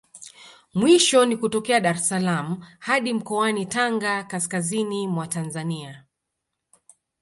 Mwisho ni kutokea Dar es salaam hadi mkoani Tanga kaskazini mwa Tanzania